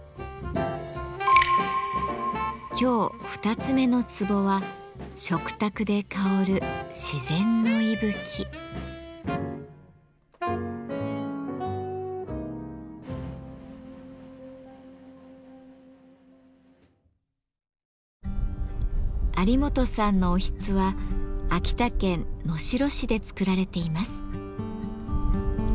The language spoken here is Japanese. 今日二つ目のツボは有元さんのおひつは秋田県能代市で作られています。